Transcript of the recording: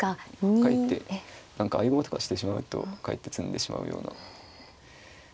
かえって何か合駒とかしてしまうとかえって詰んでしまうような。